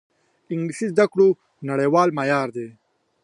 انګلیسي د زده کړو نړیوال معیار دی